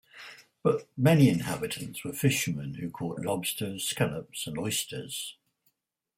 But many inhabitants were fishermen who caught lobsters, scallops and oysters.